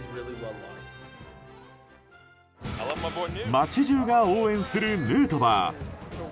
街中が応援するヌートバー。